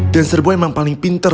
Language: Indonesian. dan serbuah emang paling pinter